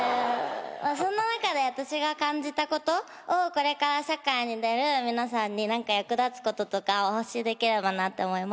そんな中で私が感じたことをこれから社会に出る皆さんに何か役立つこととかお教えできればなって思います。